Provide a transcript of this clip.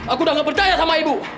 aku udah gak percaya sama ibu